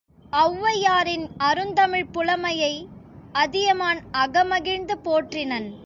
ஒளவையாரின் அருந்தமிழ்ப் புலமையை Athiyaman அகமகிழ்ந்து போற்றினன்.